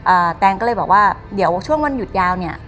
แตงก็เลยบอกว่าเดี๋ยวช่วงวันหยุดยาวเนี่ย